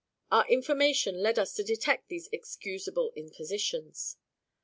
Our information led us to detect these excusable impositions.